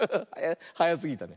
はやすぎたね。